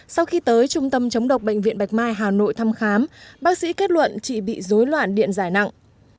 sau khi tới trung tâm chống độc bệnh viện bạch mai hà nội thăm khám bác sĩ kết luận chị bị dối loạn điện dài nặng